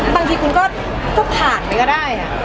บางทีคุณก็ผ่านไปก็ได้